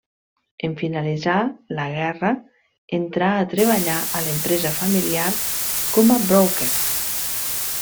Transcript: En finalitzar la guerra entrà a treballar a l'empresa familiar com a broker.